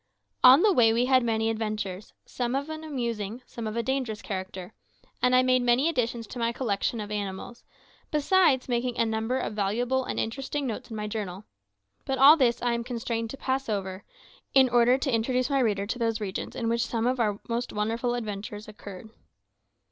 On the way we had many adventures, some of an amusing, some of a dangerous character, and I made many additions to my collection of animals, besides making a number of valuable and interesting notes in my journal; but all this I am constrained to pass over, in order to introduce my reader to those regions in which some of our most wonderful adventures occurred.